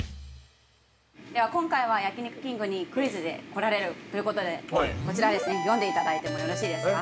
今回は、焼肉きんぐにクイズで来られるということでこちら、読んでいただいてもよろしいですか。